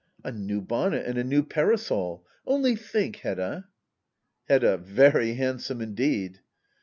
A new bonnet and a new parasol ! Only think^ Hedda! Hedda. Very handsome indeed.